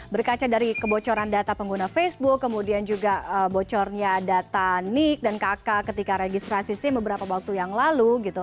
berkaca dari kebocoran data pengguna facebook kemudian juga bocornya data nik dan kakak ketika registrasi sim beberapa waktu yang lalu gitu